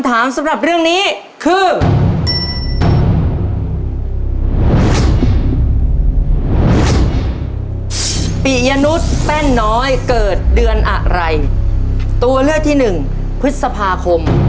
ตัวเลือกที่๑พฤษภาคม